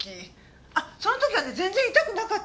あっその時はね全然痛くなかったのよ。